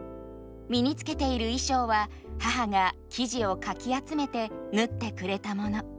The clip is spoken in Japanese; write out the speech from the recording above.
身に着けている衣装は母が生地をかき集めて縫ってくれたもの。